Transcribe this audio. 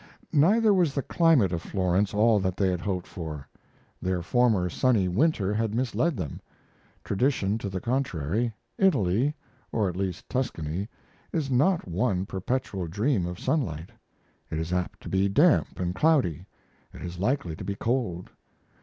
] Neither was the climate of Florence all that they had hoped for. Their former sunny winter had misled them. Tradition to the contrary, Italy or at least Tuscany is not one perpetual dream of sunlight. It is apt to be damp and cloudy; it is likely to be cold.